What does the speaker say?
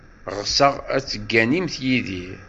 Ɣseɣ ad tegganimt Yidir.